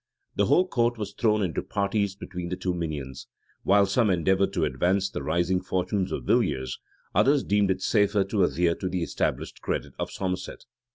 The whole court was thrown into parties between the two minions: while some endeavored to advance the rising fortunes of Villiers, others deemed it safer to adhere to the established credit of Somerset.